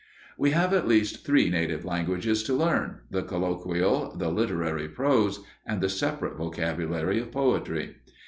We have at least three native languages to learn the colloquial, the literary prose, and the separate vocabulary of poetry.